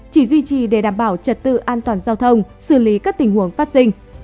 chỉ duy trì để đảm bảo trật tự an toàn giao thông xử lý các tình huống phát sinh